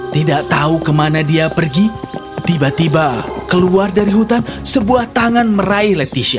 tidak tahu kemana dia pergi tiba tiba keluar dari hutan sebuah tangan meraih leticia